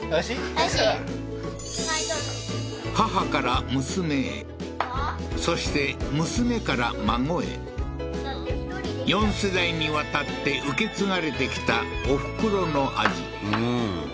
美味しい母から娘へそして娘から孫へ４世代にわたって受け継がれてきたおふくろの味